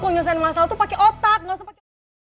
penyelesaian masalah itu pakai otak